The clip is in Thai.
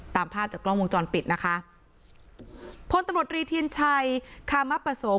ตามภาพจากกล้องวงจรปิดนะคะพลตำรวจรีเทียนชัยคามประสงค์